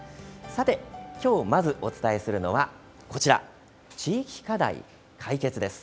さて、きょうまずお伝えするのはこちら地域課題カイケツです。